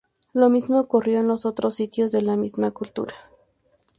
Lo mismo ocurrió en los otros sitios de la misma cultura.